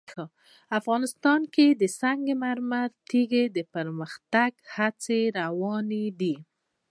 افغانستان کې د سنگ مرمر د پرمختګ هڅې روانې دي.